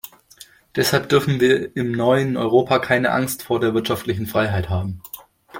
Deshalb dürfen wir im neuen Europa keine Angst vor der wirtschaftlichen Freiheit haben.